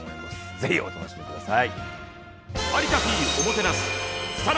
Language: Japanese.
ぜひお楽しみ下さい。